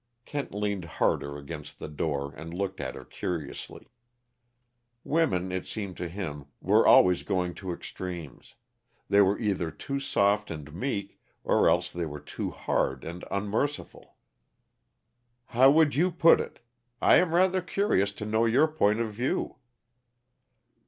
Kent leaned harder against the door, and looked at her curiously. Women, it seemed to him, were always going to extremes; they were either too soft and meek, or else they were too hard and unmerciful. "How would you put it? I am rather curious to know your point of view."